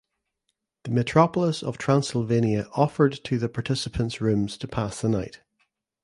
The Metropolis of Transylvania offered to the participants rooms to pass the night.